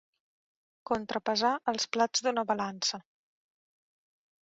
Contrapesar els plats d'una balança.